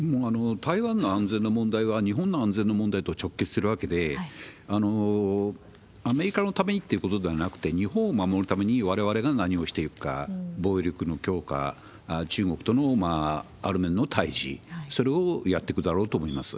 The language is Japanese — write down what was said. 台湾の安全の問題は、日本の安全の問題と直結するわけで、アメリカのためにっていうことではなくて、日本を守るためにわれわれが何をしていくか、防衛力の強化、中国とのある面の対じ、それをやっていくだろうと思います。